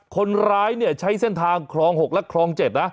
คนร้ายเนี่ยใช้เส้นทางคลอง๖และคลอง๗นะ